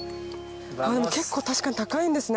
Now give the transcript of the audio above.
でも結構確かに高いんですね。